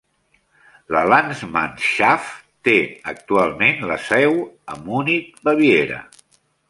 La Landsmannschaft té actualment la seu a Munich, Baviera.